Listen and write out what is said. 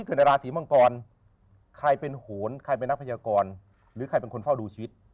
ใครเป็นโหนใครเป็นนักพจกรหรือใครเป็นคนเฝ้าดูชีวิต